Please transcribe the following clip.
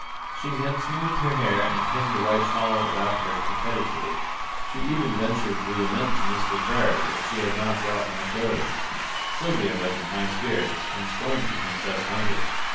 She had smoothed her hair and pinned the white shawl about her coquettishly; she even ventured to lament to Mr. Frere that she had not brought more clothes. Sylvia was in high spirits, and scorned to confess hunger.